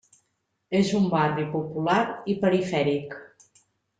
És un barri popular i perifèric.